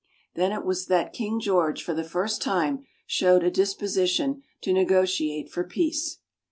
Then it was that King George, for the first time, showed a disposition to negotiate for peace.